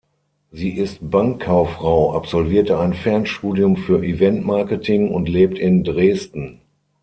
Sie ist Bankkauffrau, absolvierte ein Fernstudium für Eventmarketing und lebt in Dresden.